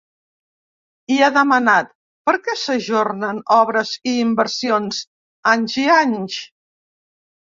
I ha demanat: Per què s’ajornen obres i inversions anys i anys?